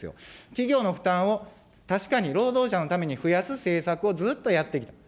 企業の負担を確かに労働者のために増やす政策をずっとやってきた。